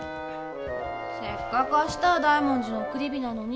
せっかく明日は大文字の送り火なのに。